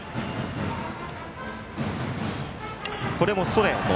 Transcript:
これもストレート。